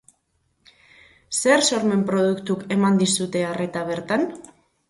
Zer sormen produktuk eman dizute arreta bertan?